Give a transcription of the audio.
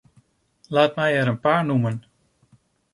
Laat mij er een paar noemen.